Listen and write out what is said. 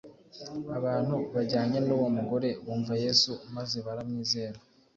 Abantu bajyanye n’uwo mugore, bumva Yesu maze baramwizera.